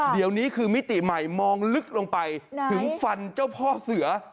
เดี๋ยวนี้คือมิติใหม่มองลึกลงไปถึงฟันเจ้าพ่อเสือ